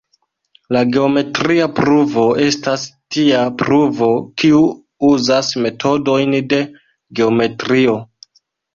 La geometria pruvo estas tia pruvo, kiu uzas metodojn de geometrio.